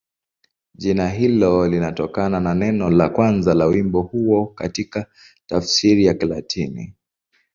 Jina hilo linatokana na neno la kwanza la wimbo huo katika tafsiri ya Kilatini.